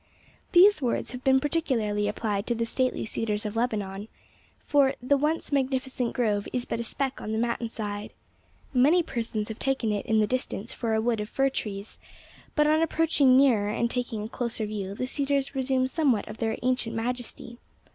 These words have been particularly applied to the stately cedars of Lebanon, for 'the once magnificent grove is but a speck on the mountain side. Many persons have taken it in the distance for a wood of fir trees, but on approaching nearer and taking a closer view the cedars resume somewhat of their ancient majesty.